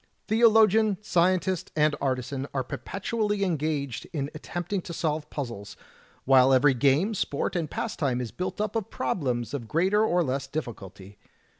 "Theologian, scientist, and artisan are perpetually en gaged in attempting to solve puzzles, while every game, sport, and pastime is built up of problems of greater or less difficulty.